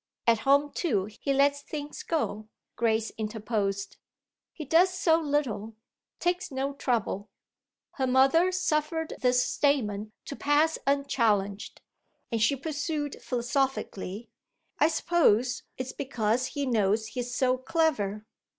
"At home too he lets things go," Grace interposed. "He does so little takes no trouble." Her mother suffered this statement to pass unchallenged, and she pursued philosophically: "I suppose it's because he knows he's so clever."